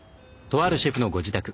とあるシェフのご自宅。